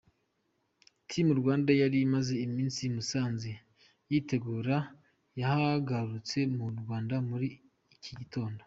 Team Rwanda yari imaze iminsi i Musanze yitegura yahagarutse mu Rwanda muri iki gitondo.